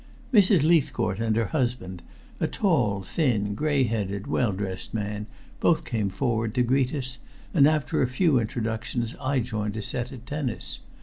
Mrs. Leithcourt and her husband, a tall, thin, gray headed, well dressed man, both came forward to greet us, and after a few introductions I joined a set at tennis.